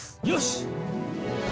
よし！